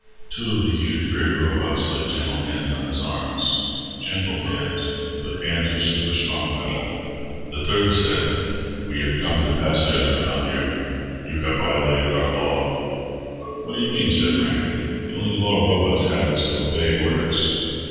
Two of the huge grey robots laid gentle hands on his arms. Gentle hands, but hands of superstrong metal. The third said, "We have come to pass judgement on you. You have violated our law." "What do you mean?" said Rankin. "The only law robots have is to obey orders."